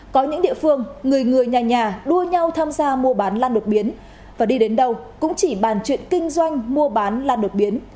có những địa phương người người nhà nhà đua nhau tham gia mua bán lan đột biến và đi đến đâu cũng chỉ bàn chuyện kinh doanh mua bán lan đột biến